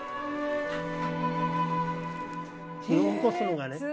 火をおこすのがね